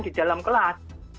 di dalam kelas